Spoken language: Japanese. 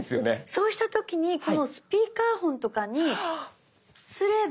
そうした時にこのスピーカーフォンとかにすれば。